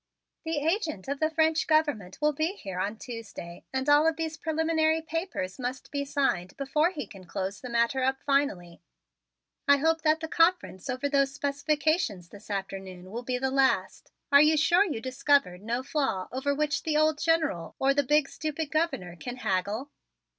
"The agent of the French Government will be here on Tuesday and all of these preliminary papers must be signed before he can close the matter up finally. I hope that the conference over those specifications this afternoon will be the last. Are you sure you discovered no flaw over which the old General or the big stupid Governor can haggle?"